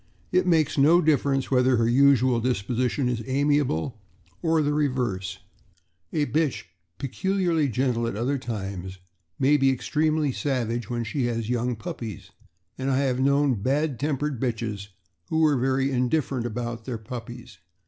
It makes no difference whether her usual disposition is amiable or the reverse, a bitch peculiarly gentle at other times may be extremely savage when she has young puppies; and I have known bad tempered bitches who were very indifferent about their puppies.